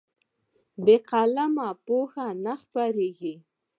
بې قلمه پوهه نه خپرېږي.